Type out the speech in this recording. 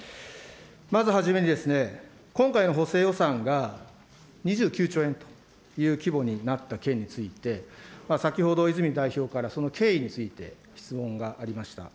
まずはじめに、今回の補正予算が２９兆円という規模になった件について、先ほど、泉代表からその経緯について質問がありました。